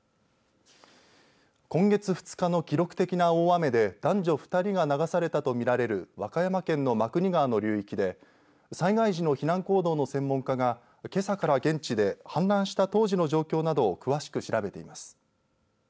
今月２日の記録的な大雨で男女２人が流されたと見られる岡山県の真国川の流域で災害時の避難行動の専門家がけさから現地で氾濫した当時の状況などを詳しく調べています。